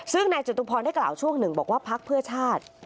ซึ่งนายจตุพรได้กล่าวช่วงหนึ่งบอกว่าพักเพื่อชาติ